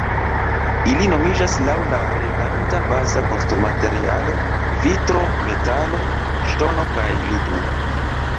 Ili nomiĝas laŭ la reganta baza konstrumaterialo vitro, metalo, ŝtono kaj ligno.